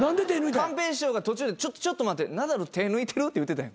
寛平師匠が途中で「ちょっと待ってナダル手抜いてる？」って言うてたやん。